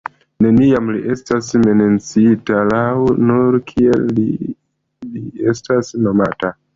Neniam li estas menciita laŭnome, nur kiel “Li” li estas nomata.